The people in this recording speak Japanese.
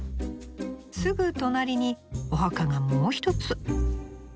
すぐ隣にお墓がもう一つ。